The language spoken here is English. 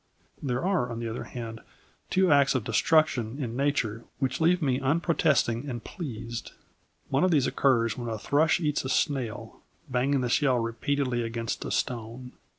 There are, on the other hand, two acts of destruction in Nature which leave me unprotesting and pleased. One of these occurs when a thrush eats a snail, banging the shell repeatedly against a stone.